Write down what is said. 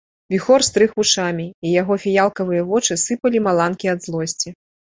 Віхор стрыг вушамі, і яго фіялкавыя вочы сыпалі маланкі ад злосці.